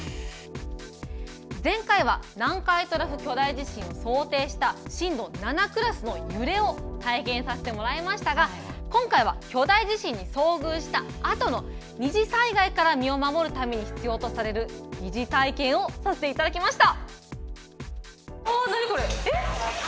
前回は、南海トラフ巨大地震を想定した震度７クラスの揺れを体験させてもらいましたが、今回は巨大地震に遭遇したあとの、二次災害から身を守るために必要とされる疑似体験をさせていただきました。